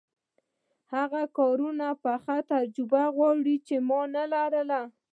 هغه کارونه پخه تجربه غواړي چې ما نلري.